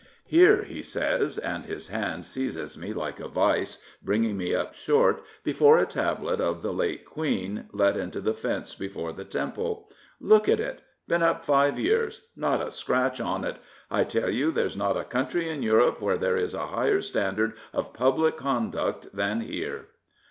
Here," he says, and his hand seizes me like a vice, bringing me up short before a tablet of the late Queen, let into the fence before the Temple. " Look at it. Been up five years. Not a scratch on it. I tell you there's not a country in Europe where there is a higher standard of public conduct than here."